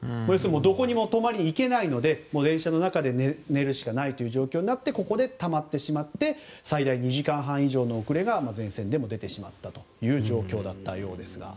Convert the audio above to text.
どこにも泊まれないので電車の中で寝るしかない状況でたまってしまって最大２時間半以上の遅れが全線でも出てしまったという状況だったそうです。